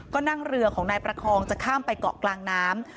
ก็นั่งเรือของนายประคองจะข้ามไปเกาะกลางน้ำ